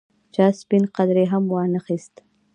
چا سپڼ قدرې هم وانه اخیست.